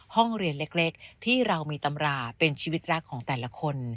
ห้องเรียนเล็กที่เรามีตำราเป็นชีวิตรักของแต่ละคน